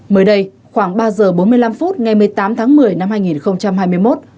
mới đây khoảng ba giờ bốn mươi năm phút ngày một mươi tám tháng một mươi năm hai nghìn hai mươi một